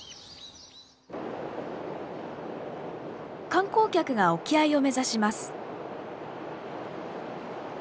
観光客が沖合を目指します。